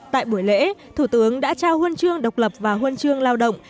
tại buổi lễ thủ tướng đã trao huân chương độc lập và huân chương lao động